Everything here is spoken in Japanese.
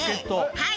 はい。